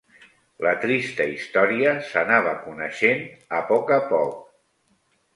La trista història s'anava coneixent a poc a poc